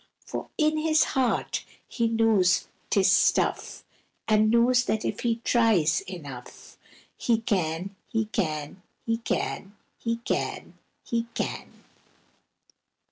For in his heart he knows 'tis stuff, And knows that if he tries enough, He can! he can! he can! he can! he can!